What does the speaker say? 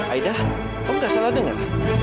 aida kamu gak salah dengar